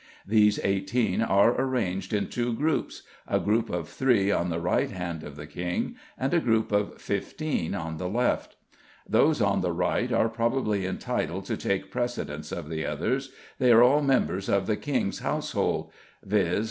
These eighteen are arranged in two groups a group of three on the right hand of the king, and a group of fifteen on the left. Those on the right are probably entitled to take precedence of the others, they are all members of the king's household viz.